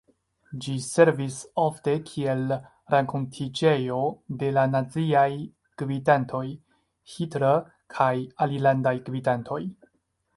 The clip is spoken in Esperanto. Ĝi servis ofte kiel renkontiĝejo de la naziaj gvidantoj, Hitler kaj alilandaj gvidantoj.